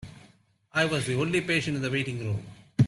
I was the only patient in the waiting room.